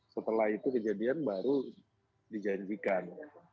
setelah itu kejadian baru dijanjikan